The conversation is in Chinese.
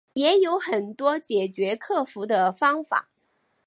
也有很多解决克服的方法